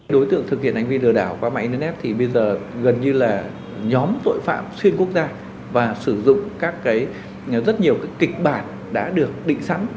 đối tượng thực hiện ánh viên lừa đảo qua mạng internet thì bây giờ gần như là nhóm tội phạm xuyên quốc gia và sử dụng các cái rất nhiều cái kịch bản đã được định sẵn